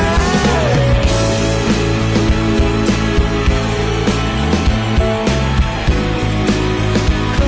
แม่ละ